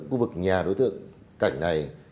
khu vực nhà đối tượng cảnh này